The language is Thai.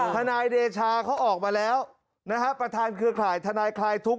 ทนายเดชาเขาออกมาแล้วนะครับประธานเครือข่ายทนายคลายทุกข